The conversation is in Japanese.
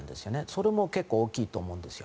それも結構大きいと思うんですよ。